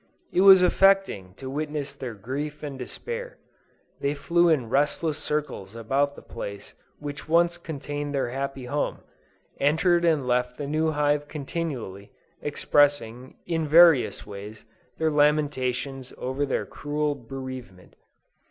It was affecting to witness their grief and despair: they flew in restless circles about the place which once contained their happy home, entered and left the new hive continually, expressing, in various ways, their lamentations over their cruel bereavement.